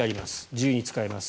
自由に使えます。